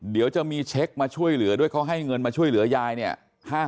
เดี๋ยวจะมีเช็คมาช่วยเหลือด้วยเขาให้เงินมาช่วยเหลือยายเนี่ย